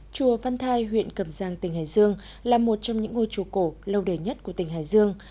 chùa văn thai huyện cầm giang tỉnh hải dương là một trong những ngôi chùa cổ lâu đời nhất của tỉnh hải dương